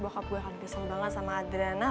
bokap gue akan kesel banget sama adriana